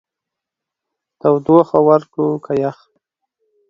تودوخه ورکړو که يخ؟